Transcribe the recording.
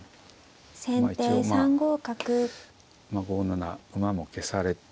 ５七馬も消されまして。